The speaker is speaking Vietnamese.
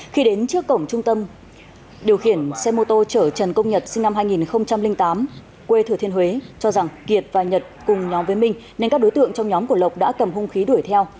khi đến trước cổng trung tâm điều khiển xe mô tô chở trần công nhật sinh năm hai nghìn tám quê thừa thiên huế cho rằng kiệt và nhật cùng nhóm với minh nên các đối tượng trong nhóm của lộc đã cầm hung khí đuổi theo